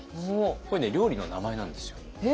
これね料理の名前なんですよ。え！？